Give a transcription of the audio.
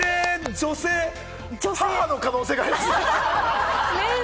女性、母の可能性があります。